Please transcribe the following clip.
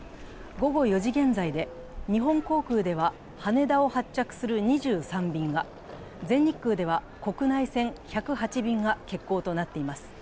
午後４時現在で、日本航空では羽田を発着する２３便が、全日空では国内線１０８便が欠航となっています。